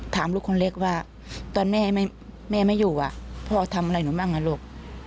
ลูกคนเล็กว่าตอนแม่ไม่อยู่พ่อทำอะไรหนูบ้างอ่ะลูก